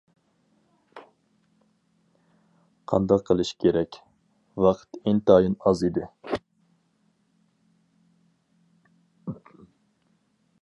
قانداق قىلىش كېرەك؟ ۋاقىت ئىنتايىن ئاز ئىدى.